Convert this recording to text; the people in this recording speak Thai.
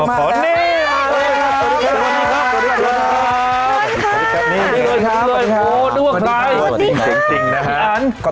สวัสดีครับ